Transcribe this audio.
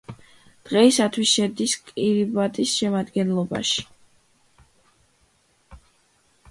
დღეისათვის შედის კირიბატის შემადგენლობაში.